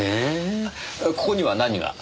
ここには何が？